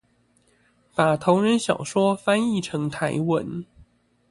把同人小說翻譯成台文